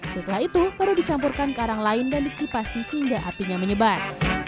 setelah itu baru dicampurkan ke arang lain dan dikipasi hingga apinya menyebar